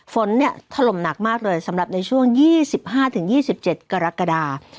ฝนถล่มหนักมากเลยสำหรับในช่วง๒๕๒๗กรกฎา